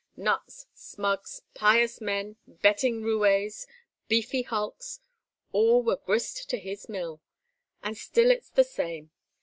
Nuts, smugs, pious men, betting roués, beefy hulks all were grist to his mill. And still it's the same.